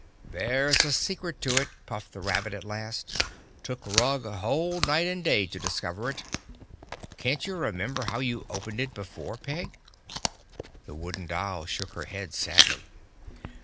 "There's a secret to it," puffed the rabbit at last. "Took Rug a whole night and day to discover it. Can't you remember how you opened it before, Peg?" The Wooden Doll shook her head sadly.